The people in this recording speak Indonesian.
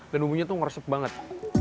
dan bumbunya itu meresap banget